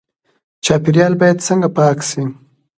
چاپیریال باید څنګه پاک شي؟